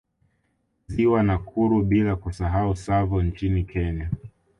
Ziwa Nakuru bila kusahau Tsavo nchini Kenya